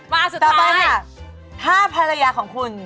มาสุดท้ายต่อไปเนี่ย๕ภรรยาของคุณ